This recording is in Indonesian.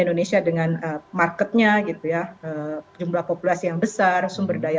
indonesia dengan marketnya gitu ya jumlah populasi yang besar sumber daya